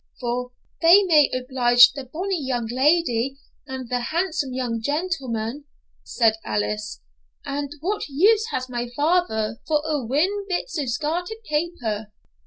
For 'they may oblige the bonnie young lady and the handsome young gentleman,' said Alice, 'and what use has my father for a whin bits o' scarted paper?'